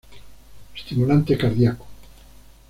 Estimulante cardíaco.